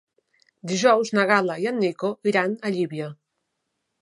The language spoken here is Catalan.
Dijous na Gal·la i en Nico iran a Llívia.